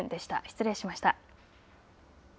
失礼しました。